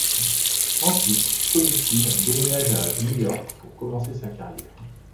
Ensuite, Tommy Tune déménage à New York pour commencer sa carrière.